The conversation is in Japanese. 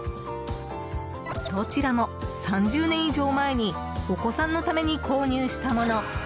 どちらも３０年以上前にお子さんのために購入したもの。